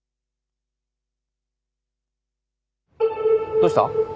どうした？